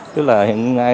tức là hiện nay